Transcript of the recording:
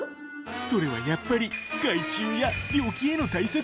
それはやっぱり害虫や病気への対策。